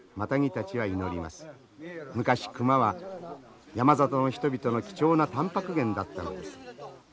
昔熊は山里の人々の貴重なたんぱく源だったのです。